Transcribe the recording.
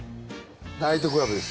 ナイトクラブです。